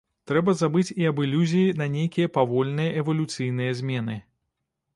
Трэба забыць і аб ілюзіі на нейкія павольныя эвалюцыйныя змены.